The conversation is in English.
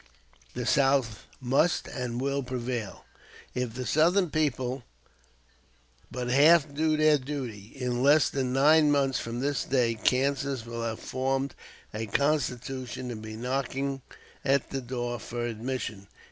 "The South must and will prevail. If the Southern people but half do their duty, in less than nine months from this day Kansas will have formed a constitution and be knocking at the door for admission....